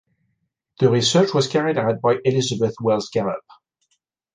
The research was carried out by Elizabeth Wells Gallup.